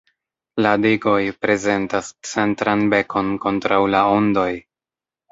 La digoj prezentas centran "bekon" kontraŭ la ondoj.